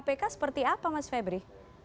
kpk seperti apa mas febri